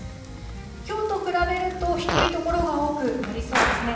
きょうと比べると低い所が多くなりそうですね。